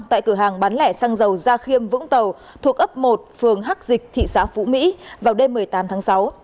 tại cửa hàng bán lẻ xăng dầu gia khiêm vũng tàu thuộc ấp một phường hắc dịch thị xã phú mỹ vào đêm một mươi tám tháng sáu